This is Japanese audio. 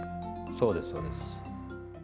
そうですそうです。